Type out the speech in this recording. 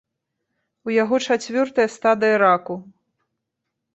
У яго чацвёртая стадыя раку.